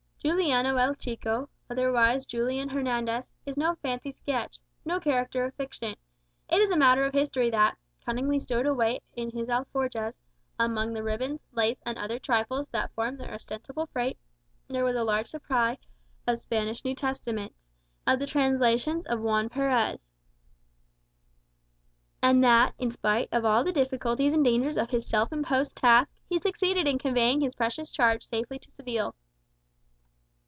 Juliano el Chico, otherwise Julian Hernandez, is no fancy sketch, no "character of fiction." It is matter of history that, cunningly stowed away in his alforjas, amongst the ribbons, laces, and other trifles that formed their ostensible freight, there was a large supply of Spanish New Testaments, of the translation of Juan Perez. And that, in spite of all the difficulties and dangers of his self imposed task, he succeeded in conveying his precious charge safely to Seville.